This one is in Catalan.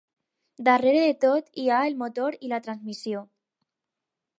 Darrere de tot hi ha el motor i la transmissió.